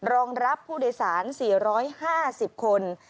รองรับผู้โดยสาร๔๕๐คน